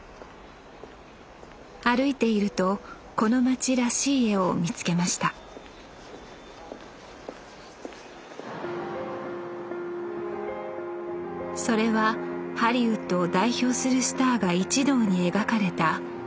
歩いているとこの街らしい絵を見つけましたそれはハリウッドを代表するスターが一堂に描かれた壁画